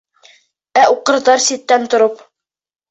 Ә уҡырҙар ситтән тороп.